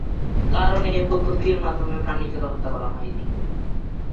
কারণ এ পদ্ধতির মাধ্যমে প্রাণীকে হত্যা করা হয়নি।